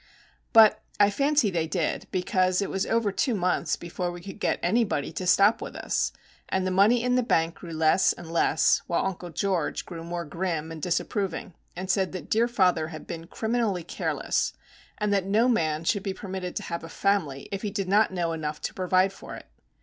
But I fancy they did; because it was over two months before we could get anybody to stop with us, and the money in the bank grew less and less, while Uncle George grew more grim and disapproving, and said that dear father had been "criminally careless," and that no man should be permitted to have a family, if he did not know enough to provide for it.